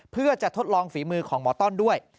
เพื่อจะทดลองฝีมือของหมอต้อนด้วย